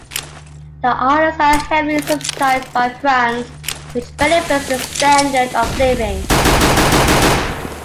The islands are heavily subsidized by France, which benefits the standard of living.